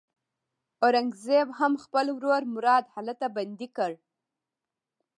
اورنګزېب هم خپل ورور مراد هلته بندي کړ.